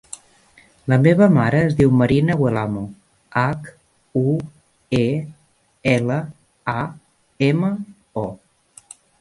La meva mare es diu Marina Huelamo: hac, u, e, ela, a, ema, o.